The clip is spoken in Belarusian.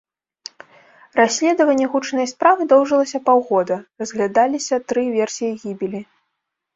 Расследванне гучнай справы доўжылася паўгода, разглядаліся тры версіі гібелі.